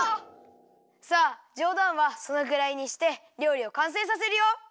さあじょうだんはそのぐらいにしてりょうりをかんせいさせるよ！